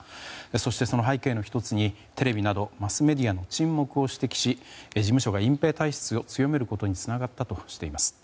そしてその背景の１つにテレビなどマスメディアの沈黙を指摘し事務所が隠ぺい体質を強めることにつながったとしています。